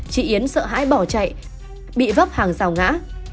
chị yến sợ hãi bỏ chạy bị vấp hàng rào ngã